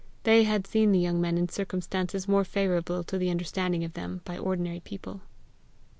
They had seen the young men in circumstances more favourable to the understanding of them by ordinary people.